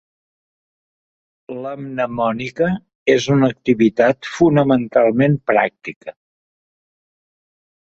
La mnemònica és una activitat fonamentalment pràctica.